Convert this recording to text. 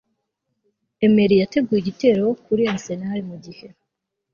Emery yateguye igitero kuri Arsenal mugihe